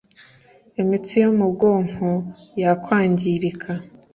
imitsi yo mu bwonko yakwangirika